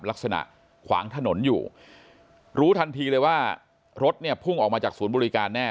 ขวางถนนอยู่รู้ทันทีเลยว่ารถเนี่ยพุ่งออกมาจากศูนย์บริการแน่